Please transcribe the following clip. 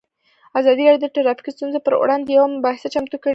ازادي راډیو د ټرافیکي ستونزې پر وړاندې یوه مباحثه چمتو کړې.